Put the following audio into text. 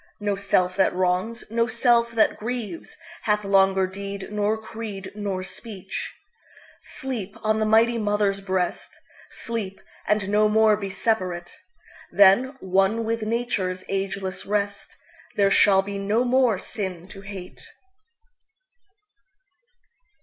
No Self that wrongs, no Self that grievesHath longer deed nor creed nor speech. Sleep on the mighty Mother's breast! Sleep, and no more be separate! Then, one with Nature's ageless rest, There shall be no more sin to hate.